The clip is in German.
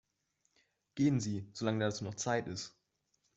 Gehen Sie, solange dazu noch Zeit ist!